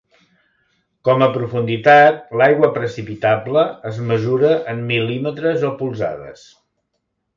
Com a profunditat, l'aigua precipitable es mesura en mil·límetres o polzades.